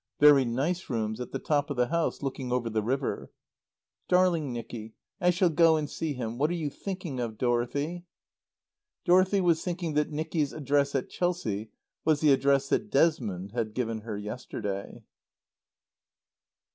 "Very nice rooms, at the top of the house, looking over the river." "Darling Nicky, I shall go and see him. What are you thinking of, Dorothy?" Dorothy was thinking that Nicky's address at Chelsea was the address that Desmond had given her yesterday.